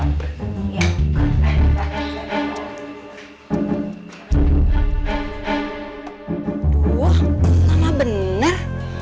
aduh nama bener